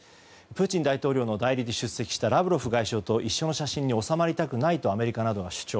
プーチン大統領の代理で出席したラブロフ外相と一緒の写真に納まりたくないとアメリカなどが主張。